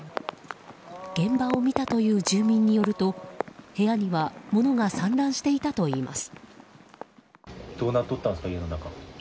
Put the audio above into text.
現場を見たという住民によると部屋には物が散乱していたといいます。